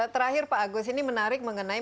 terakhir pak agus ini menarik mengenai